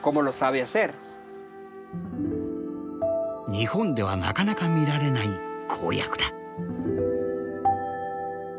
日本ではなかなか見られない公約だ。